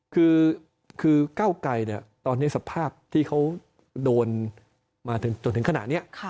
คือก้าวไกรตอนนี้สภาพที่เขาโดนมาจนถึงขณะนี้